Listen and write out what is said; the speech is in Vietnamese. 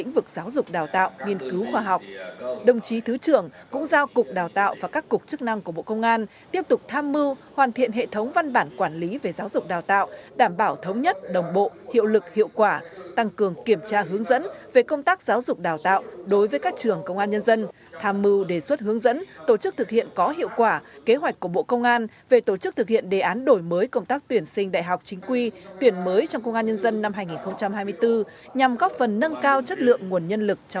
nghiên cứu khoa học đồng chí thứ trưởng cũng giao cục đào tạo và các cục chức năng của bộ công an tiếp tục tham mưu hoàn thiện hệ thống văn bản quản lý về giáo dục đào tạo đảm bảo thống nhất đồng bộ hiệu lực hiệu quả tăng cường kiểm tra hướng dẫn về công tác giáo dục đào tạo đối với các trường công an nhân dân tham mưu đề xuất hướng dẫn tổ chức thực hiện có hiệu quả kế hoạch của bộ công an về tổ chức thực hiện đề án đổi mới công tác tuyển sinh đại học chính quy tuyển mới trong công an nhân dân năm hai nghìn hai mươi bốn nhằm góp ph